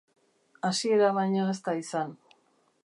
Hasiera baino ez da izan.